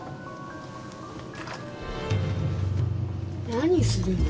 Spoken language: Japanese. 何するの？